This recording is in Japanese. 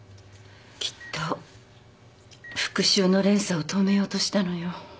きっと復讐の連鎖を止めようとしたのよ。